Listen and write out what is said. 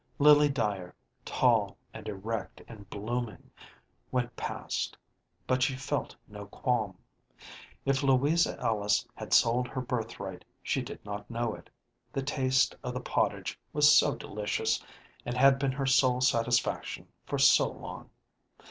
Lily Dyer, tall and erect and blooming, went past; but she felt no qualm. If Louisa Ellis had sold her birthright she did not know it, the taste of the pottage was so delicious, and had been her sole satisfaction for so long.